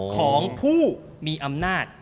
ของผู้มีอำนาจ